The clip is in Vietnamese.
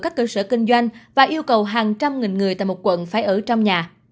các cơ sở kinh doanh và yêu cầu hàng trăm nghìn người tại một quận phải ở trong nhà